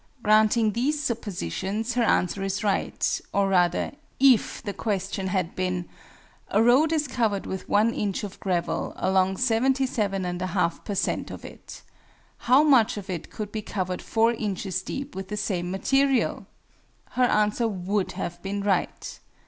Granting these suppositions, her answer is right; or rather, if the question had been "A road is covered with one inch of gravel, along 77 and a half per cent. of it. How much of it could be covered 4 inches deep with the same material?" her answer would have been right.